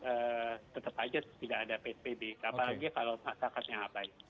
apalagi kalau masyarakatnya abai